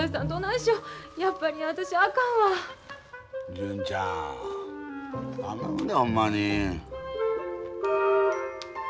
純ちゃん頼むでほんまに。